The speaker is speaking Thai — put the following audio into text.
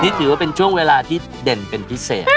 นี่ถือว่าเป็นช่วงเวลาที่เด่นเป็นพิเศษ